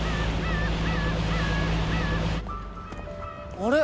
あれ？